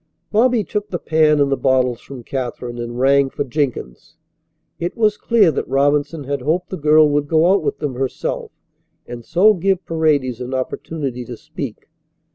Bobby took the pan and the bottles from Katherine and rang for Jenkins. It was clear that Robinson had hoped the girl would go out with them herself and so give Paredes an opportunity to speak.